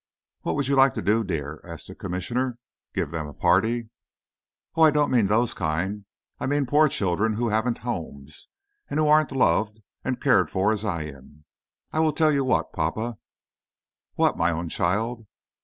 "What would you like to do, dear?" asked the Commissioner. "Give them a party?" "Oh, I don't mean those kind. I mean poor children who haven't homes, and aren't loved and cared for as I am. I tell you what, papa!" "What, my own child?"